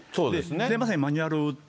で、まさにマニュアルを売って。